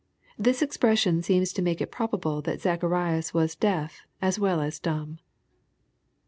] This expression seems to make it probable that Zacharias was deaf as well as dumb.